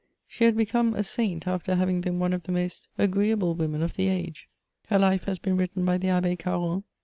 She had become a saint after haying been one of the most agreeable women of the age : her life has been written by the Abb^ Carron.